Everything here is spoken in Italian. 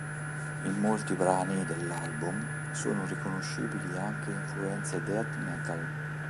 In molti brani dell'album sono riconoscibili anche influenze death metal.